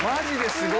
すごい。